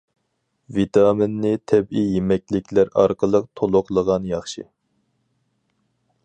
ۋىتامىننى تەبىئىي يېمەكلىكلەر ئارقىلىق تولۇقلىغان ياخشى.